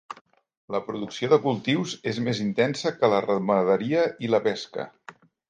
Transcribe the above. La producció de cultius és més intensa que la ramaderia i la pesca.